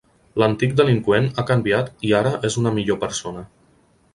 L'antic delinqüent ha canviat i ara és una millor persona.